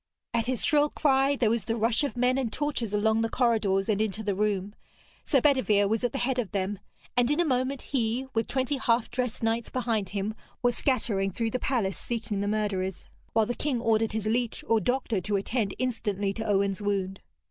At his shrill cry there was the rush of men and torches along the corridors and into the room. Sir Bedevere was at the head of them, and in a moment he, with twenty half dressed knights behind him, was scattering through the palace seeking the murderers, while the king ordered his leech or doctor to attend instantly to Owen's wound.